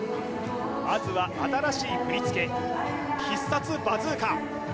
まずは新しい振り付け必殺バズーカ！